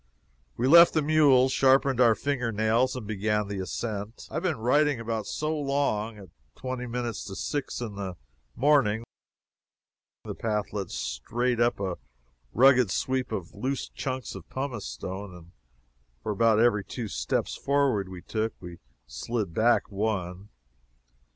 We left the mules, sharpened our finger nails, and began the ascent I have been writing about so long, at twenty minutes to six in the morning. The path led straight up a rugged sweep of loose chunks of pumice stone, and for about every two steps forward we took, we slid back one.